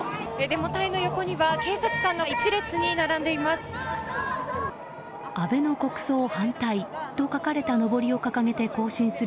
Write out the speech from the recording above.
デモ隊の横には警察官が１列に並んでいます。